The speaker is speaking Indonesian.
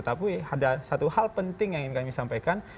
tapi ada satu hal penting yang ingin kami sampaikan